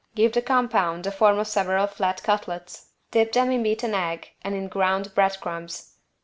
Give the compound the form of several flat cutlets, dip them in beaten egg and in ground bread crumbs.